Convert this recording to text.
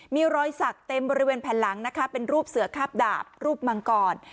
มีรอยสักเต็มบริเวณแผ่นหลังนะคะเป็นรูปเสือคาบดาบรูปมังกร